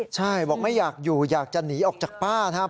ใช่บอกไม่อยากอยู่อยากจะหนีออกจากป้านะครับ